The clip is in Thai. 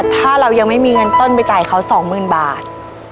ถ้าเรายังไม่มีเงินต้นไปจ่ายเขา๒๐๐๐บาท